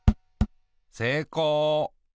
せいこう。